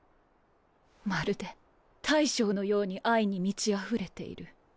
まるで大将のように愛に満ちあふれている。